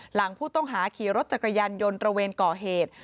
หลังผู้ต้องหาขี่รถจักรยานยนต์ตระเวนก่อเหตุ